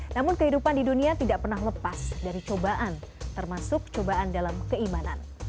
namun kehidupan di dunia tidak pernah lepas dari cobaan termasuk cobaan dalam keimanan